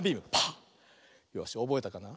よしおぼえたかな？